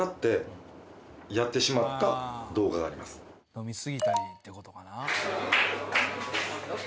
飲みすぎたりってことかな？